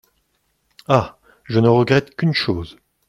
Ah ! je ne regrette qu’une chose…